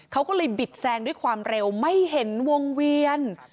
เขาก็เลยบิดแซงด้วยความเร็วไม่เห็นวงเวียน